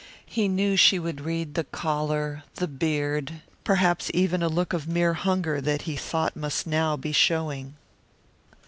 He knew she would read the collar, the beard, perhaps even a look of mere hunger that he thought must now be showing.